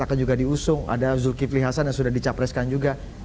akan juga diusung ada zulkifli hasan yang sudah dicapreskan juga